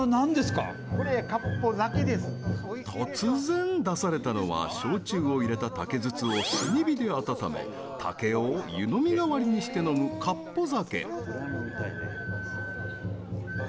突然出されたのは焼酎を入れた竹筒を炭火で温め竹を湯飲み代わりにして飲む「かっぽ酒」。